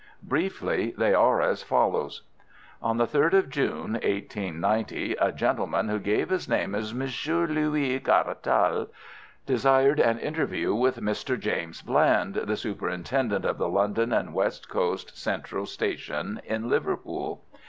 Briefly, they are as follows. On the 3rd of June, 1890, a gentleman, who gave his name as Monsieur Louis Caratal, desired an interview with Mr. James Bland, the superintendent of the London and West Coast Central Station in Liverpool.